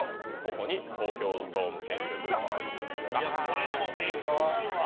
これ勉強になるわ！